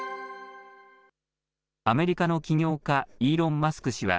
アメリカの起業家、イーロン・マスク氏は、